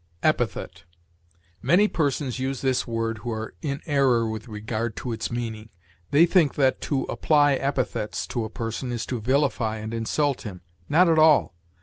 EPITHET. Many persons use this word who are in error with regard to its meaning; they think that to "apply epithets" to a person is to vilify and insult him. Not at all.